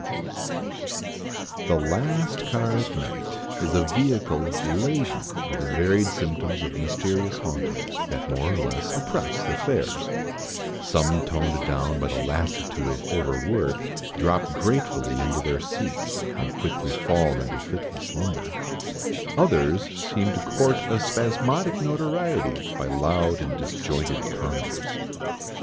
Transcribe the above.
] THE last car at night, is a vehicle laden with varied symptoms of mysterious hauntings that more or less oppress the fares, some toned down by the lassitude of overwork, drop gratefully into their seats, and quickly fall into fitful slumber, others seem to court a spasmodic notoriety by loud and disjointed converse.